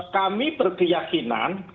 kami berkeyakinan hmm